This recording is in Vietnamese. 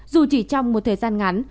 dù chỉ trong một thời gian ngắn